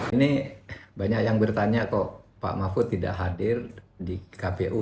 ini banyak yang bertanya kok pak mahfud tidak hadir di kpu